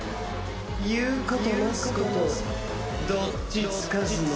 言うことなすことどっちつかずの。